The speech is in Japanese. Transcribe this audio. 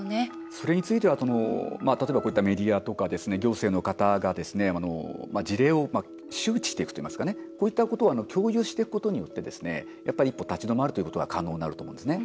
それについては例えば、こういったメディアとか行政の方がですね事例を周知していくといいますかこういったことを共有していくことによって一歩立ち止まるということが可能になると思うんですね。